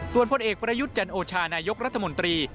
ส่วนพลเอกประยุทธ์จันโอชานายกรัฐมนตรี